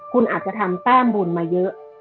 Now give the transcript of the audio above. คุณอาจจะทำแต้มบุญมาเยอะ